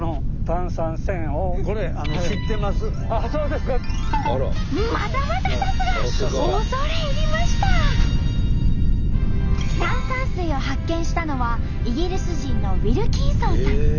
炭酸水を発見したのはイギリス人のウィルキンソンさん。